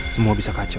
semua bisa kacau